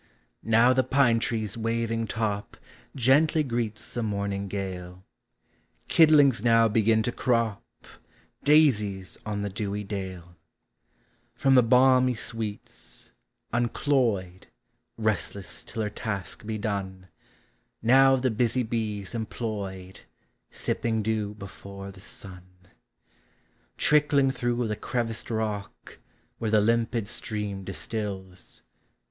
Now the pine tree's waving top Gently greets the morning gale : Kid lings now begin to crop Daisies, on the dewy dale. LIGHT: DAY: NIGHT. 41 From the balmy sweets, uncloyed (Restless till her task be done), Now the busy bee 's employed Sipping dew before the sun. Trickling through the creviced rock, Where the limpid stream distils.